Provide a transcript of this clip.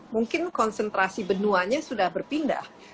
mungkin konsentrasi benuanya sudah berpindah